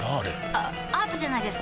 あアートじゃないですか？